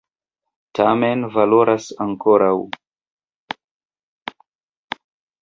Tamen valoras ankoraŭ!